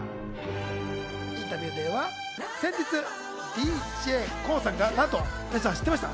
インタビューでは先日ＤＪＫＯＯさんがなんと知ってました？